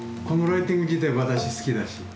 このライティング自体私好きだし。